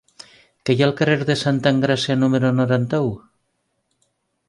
Què hi ha al carrer de Santa Engràcia número noranta-u?